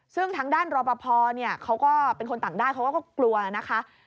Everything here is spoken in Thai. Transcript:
ซึ่งทางด้านรอปภเขาก็เป็นคนต่างด้าวเขาก็กลัวนะคะ